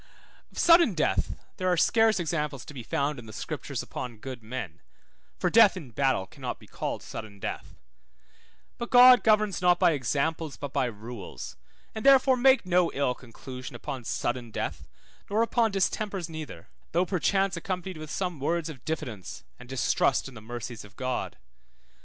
Of sudden death there are scarce examples be found in the Scriptures upon good men, for death in battle cannot be called sudden death; but God governs not by examples but by rules, and therefore make no ill conclusion upon sudden death nor upon distempers neither, though perchance accompanied with some words of diffidence and distrust in the mercies of God.